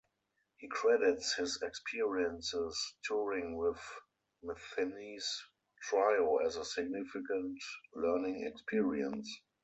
He credits his experiences touring with Metheny's trio as a significant learning experience.